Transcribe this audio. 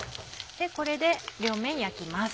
これで両面焼きます。